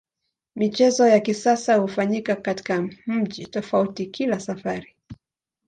Michezo ya kisasa hufanyika katika mji tofauti kila safari.